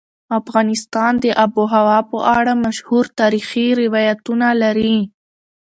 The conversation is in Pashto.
افغانستان د آب وهوا په اړه مشهور تاریخي روایتونه لري.